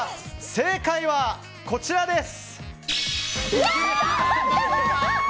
正解は、こちらです。